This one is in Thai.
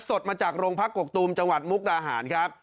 สดมาจากโรงพักกกตูมจังหวัดมุกดาหารครับ